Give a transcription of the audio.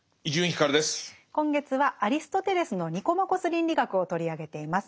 今月はアリストテレスの「ニコマコス倫理学」を取り上げています。